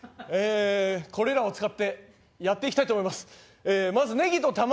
えこれらを使ってやっていきたいと思います。